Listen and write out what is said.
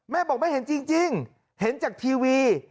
แม่บอกไม่เห็นจริงเห็นจากทีวี